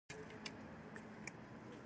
متل دی: پردۍ ډوډۍ تر زرمنه تیږه لاندې ده.